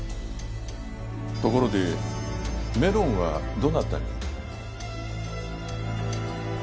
ところでメロンはどなたに？